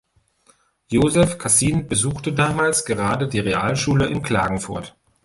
Josef Kassin besuchte damals gerade die Realschule in Klagenfurt.